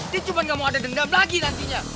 dia cuma gak mau ada dendam lagi nantinya